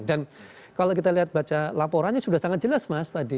dan kalau kita lihat baca laporannya sudah sangat jelas mas tadi